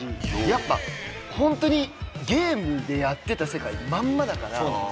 やっぱほんとにゲームでやってた世界まんまだから。